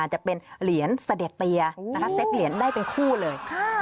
จะเป็นเหรียญเสด็จเตียเซ็ตเหรียญได้เป็นคู่เลย